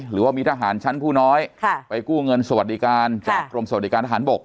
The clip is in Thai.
หรือว่ามีทหารชั้นผู้น้อยไปกู้เงินสวัสดิการจากกรมสวัสดิการทหารบก